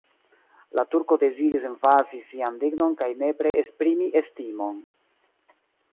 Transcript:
La turko deziris emfazi sian dignon kaj nepre esprimi estimon.